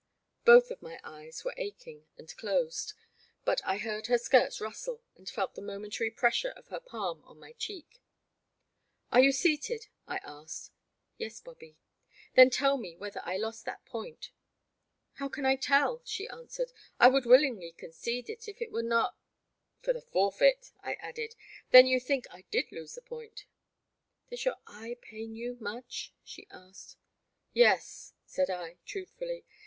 " Both of my eyes were aching and closed, but I heard her skirts rustle and felt the momentary pressure of her palm on my cheek. Are you seated? " I asked. *'Yes, Bobby.'' " Then tell me whether I lost that point.'* "How can I tell," she answered; *'I would willingly concede it if it were not '*" For the forfeit," I added ; *'then you think I did lose the point ?" Does your eye pain very much ?'' she asked. Yes," said I, truthfully.